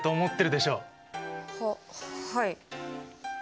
ははい。